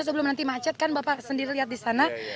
sebelum nanti macet kan bapak sendiri lihat di sana